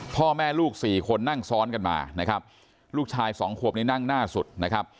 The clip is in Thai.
พ่อแม่ลูกสี่คนนั่งซ้อนกันมานะครับลูกชายสองขวบนี้นั่งหน้าสุดนะครับ